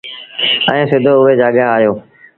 ائيٚݩ سڌو اُئي جآڳآ آيو۔